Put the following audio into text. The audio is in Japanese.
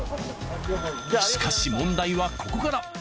しかし問題はここから。